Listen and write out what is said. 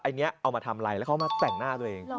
อันนี้เอามาทำอะไรแล้วเขามาแต่งหน้าตัวเอง